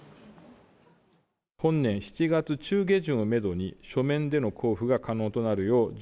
本年７月中下旬をメドに、書面での交付が可能となるよう、準